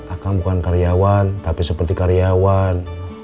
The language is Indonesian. akang bukan karyawan tapi seperti karyawan